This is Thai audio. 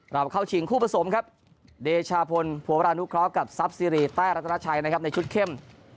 เราเข้าชิงคู่ผสมครับเดชาพลหัวรานุเคราะห์กับทรัพย์ซีรีแต้รัตนาชัยนะครับในชุดเข้ม